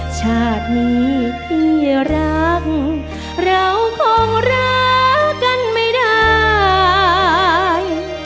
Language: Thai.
ชาตินี้ที่รักเราคงรักกันไม่ได้